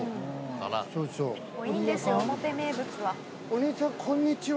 お兄さんこんにちは。